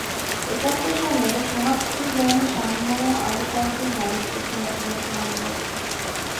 একাত্তর সালে সোহাগপুর গ্রামের স্বামীহারা আরও কয়েকজন নারীর চোখে দেখা গেছে আনন্দাশ্রু।